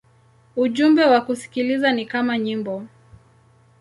Ujumbe wa kusikiliza ni kama nyimbo.